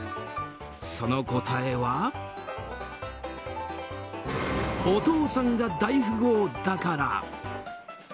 その答えはお父さんが大富豪だから。